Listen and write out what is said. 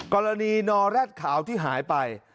กรณีนอแร็ดขาวที่หายไป